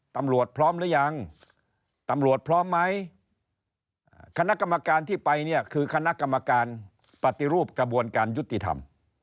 ตำรวจพร้อมไหมคณะกรรมการที่ไปเนี่ยคือคณะกรรมการประติรูปกระบวนการยุติธรรม